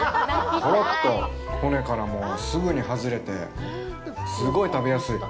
ほろっと骨からもすぐに外れてすごい食べやすい。